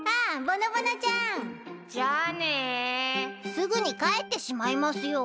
すぐに帰ってしまいますよ。